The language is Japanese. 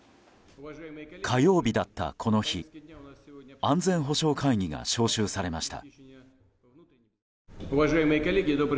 火曜日だったこの日安全保障会議が招集されました。